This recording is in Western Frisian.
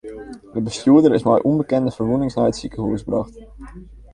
De bestjoerder is mei ûnbekende ferwûnings nei it sikehûs brocht.